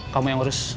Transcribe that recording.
kamu yang urus